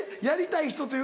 やりたい人？